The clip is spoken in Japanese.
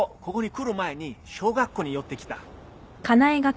ここに来る前に小学校に寄ってきた。